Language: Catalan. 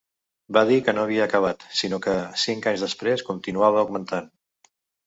Va dir que no havia acabat, sinó que, cinc anys després, continuava augmentant.